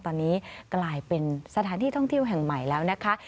ตอนนี้กลายเป็นสถานที่ท่องเที่ยวแห่งใหม่แล้วนะคะ